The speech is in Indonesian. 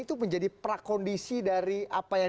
itu menjadi prakondisi dari apa yang